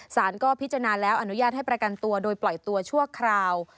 สารก็พิจารณาแล้วอนุญาตให้ประกันตัวโดยปล่อยตัวชั่วคราว